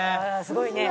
「すごいね」